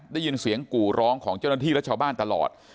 ได้ยินเสียงกู่ร้องของเจ้าหน้าที่และชาวบ้านตลอด